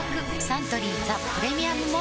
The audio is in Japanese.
サントリー「ザ・プレミアム・モルツ」